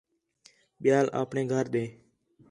ٻِیال اپݨے گھر ݙے